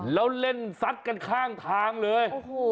แล้วเล่นซัดกันข้างทางเลย